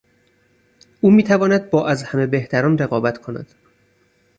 او میتواند با از همه بهتران رقابت کند.